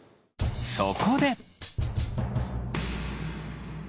そこで。